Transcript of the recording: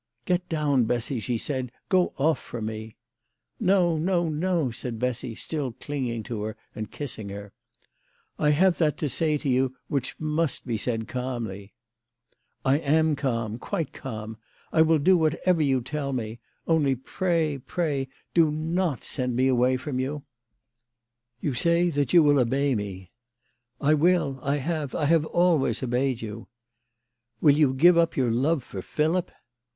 " Get down, Bessy," she said ;" go off from me." " No, no, no," said Bessy, still clinging to her and kissing her. "I have that to say to you which must be said calmly." " I am calm, quite calm. I will do whatever you tell me ; only pray, pray, do not send me away from you." 148 THE LADY OF LATJNAY. " You say that you will obey me." " I will ; I have. I always have obeyed you." " Will you give up your love for Philip